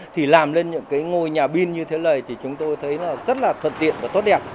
thì làm lên những cái ngôi nhà bin như thế này thì chúng tôi thấy là rất là thuận tiện và tốt đẹp